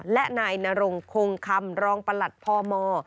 และนายนรงคงคำรองประหลัดพม